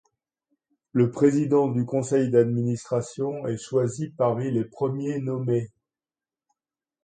Le président du Conseil d’administration est choisi parmi les premiers nommés.